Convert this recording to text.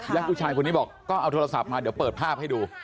แล้วผู้ชายคนนี้บอกก็เอาโทรศัพท์มาเดี๋ยวเปิดภาพให้ดู